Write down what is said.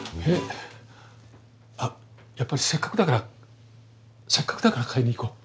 あっやっぱりせっかくだからせっかくだから買いに行こう。